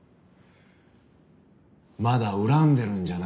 まだ恨んでるんじゃないんですか？